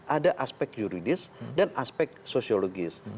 ada aspek yuridis dan aspek sosiologis